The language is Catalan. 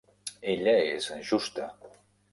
Ella és justa.